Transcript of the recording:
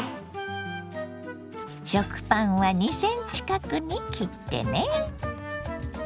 食パンは２ｃｍ角に切ってね。